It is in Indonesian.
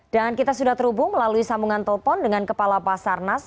dan kita sudah terhubung melalui sambungan telpon dengan kepala pasar nas